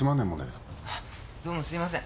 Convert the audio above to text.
どうもすいません。